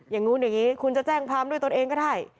อย่างนู้นอย่างนี้คุณจะแจ้งความด้วยตนเองก็ได้